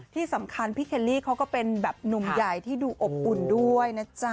ที่สำคัญพี่เคลลี่เขาก็เป็นแบบหนุ่มใหญ่ที่ดูอบอุ่นด้วยนะจ๊ะ